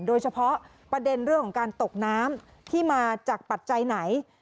โดยเฉพาะประเด็นเรื่องของการตกน้ำที่มาจากปัจจัยไหน